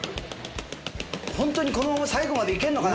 ホントにこのまま最後までいけんのかな？